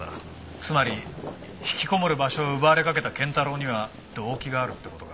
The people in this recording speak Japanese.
つまり引きこもる場所を奪われかけた賢太郎には動機があるって事か。